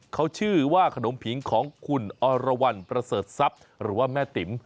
เขาชื่อว่าขนมผิงของคุณอรวรรณประเสริฐทรัพย์หรือว่าแม่ติ๋ม